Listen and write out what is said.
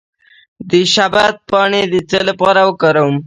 د شبت پاڼې د څه لپاره وکاروم؟